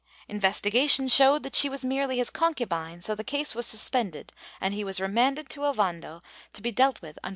Investigation showed that she was merely his concubine, so the case was suspended, and he was remanded to Ovando to be dealt with under the rules of the Order."